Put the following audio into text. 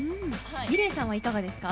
ｍｉｌｅｔさんはいかがですか？